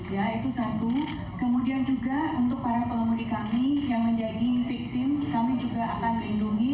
ya itu satu kemudian juga untuk para pengemudi kami yang menjadi victim kami juga akan melindungi